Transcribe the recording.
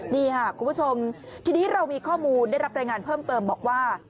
นี่ค่ะคุณผู้ชมทีนี้เรามีข้อมูลได้รับรายงานเพิ่มเติมบอกว่า